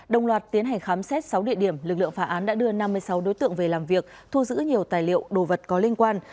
đồng loạt tiến hành khám xét sáu địa điểm lực lượng phá án đã đưa năm mươi sáu đối tượng về làm việc thu giữ nhiều tài liệu đồ vật có liên quan